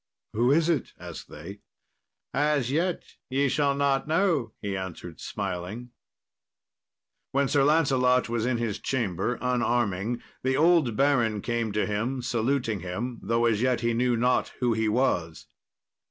"Who is it?" asked they. "As yet ye shall not know," he answered smiling. When Sir Lancelot was in his chamber unarming, the old baron came to him saluting him, though as yet he knew not who he was.